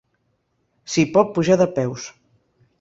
S'hi pot pujar de peus.